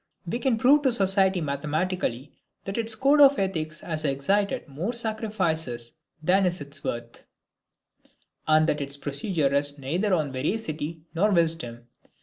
We can prove to society mathematically that its code of ethics has exacted more sacrifices than is its worth, and that its procedure rests neither on veracity nor wisdom.